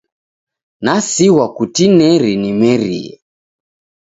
Nasighwa kutineri nimerie